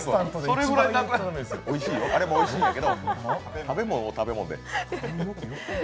それもおいしいんやけど食べ物を食べ物で。